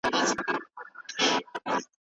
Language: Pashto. که په کتاب کې پخوانی تاریخ وي نو ساینس یې څرګندوي.